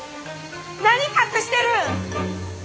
何隠してるん！？